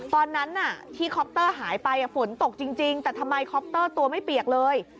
ตอนนั้นที่คอปเตอร์หายไปฝนตกจริงแต่ทำไมคอปเตอร์ตัวไม่เปียกเลย